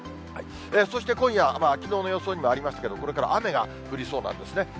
そして今夜、きのうの予想にもありましたけど、これから雨が降りそうなんですね。